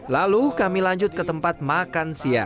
lalu kami lanjut ke tempat makan siang